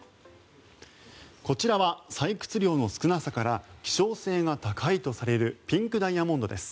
こちらは採掘量の少なさから希少性が高いとされるピンクダイヤモンドです。